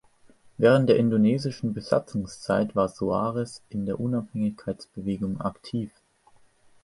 Während der indonesischen Besatzungszeit war Soares in der Unabhängigkeitsbewegung aktiv.